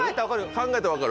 考えたら分かる。